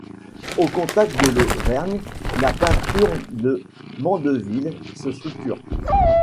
Au contact de l'Auvergne, la peinture de Mandeville se structure.